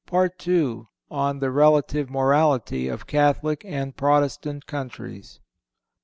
(469) II. On The Relative Morality Of Catholic And Protestant Countries.